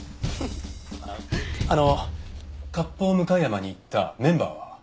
あの割烹向山に行ったメンバーは？